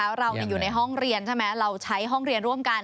แล้วเราอยู่ในห้องเรียนใช่ไหมเราใช้ห้องเรียนร่วมกัน